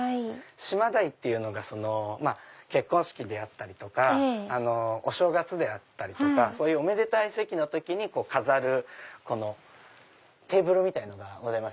島台っていうのが結婚式であったりとかお正月であったりとかそういうおめでたい席の時に飾るテーブルみたいなのがありますね。